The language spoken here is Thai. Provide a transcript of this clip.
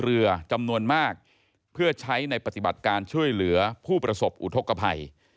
เรือจำนวนมากเพื่อใช้ในปฏิบัติการช่วยเหลือผู้ประสบอุทธกภัย